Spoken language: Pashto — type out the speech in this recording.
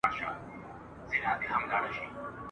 له باوړیه اوبه نه سي را ایستلای ..